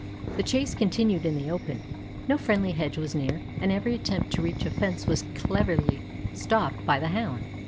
The chase continued in the open; no friendly hedge was near, and every attempt to reach a fence was cleverly stopped by the Hound.